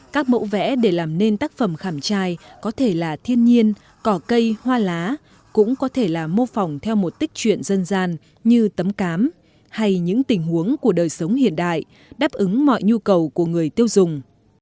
các mẫu vẽ để làm nên tác phẩm khảm trai có thể là thiên nhiên cỏ cây hoa lá cũng có thể là mô phỏng theo một tích chuyện dân gian như tấm cám hay những tình huống của đời sống hiện đại đáp ứng mọi nhu cầu của người tiêu dùng